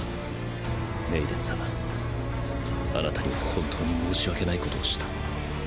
メイデン様あなたには本当に申し訳ないことをした。